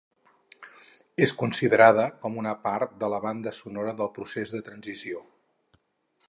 És considerada com una part de la banda sonora del procés de transició.